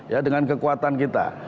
ya dengan kekuatan kita